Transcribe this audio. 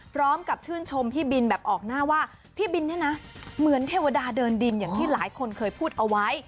พร้อมกับชื่นชมพี่บินแบบออกหน้าว่าพี่บินเนี่ยนะเหมือนเทวดาเดินดินอย่างที่หลายคนเคยพูดเอาไว้